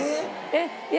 えっ？